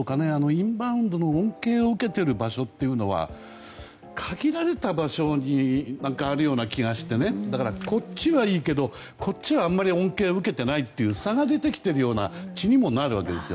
インバウンドの恩恵を受けている場所というのは限られた場所にあるような気がしてだから、こっちはいいけどあっちはあんまり恩恵を受けてないという差が出てきてるような気にもなるわけです。